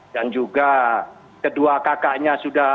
dan juga kedua kakaknya sudah